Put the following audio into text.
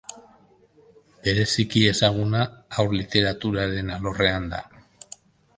Bereziki ezaguna haur literaturaren alorrean da.